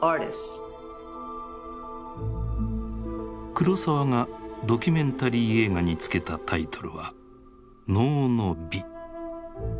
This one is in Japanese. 黒澤がドキュメンタリー映画に付けたタイトルは「能の美」。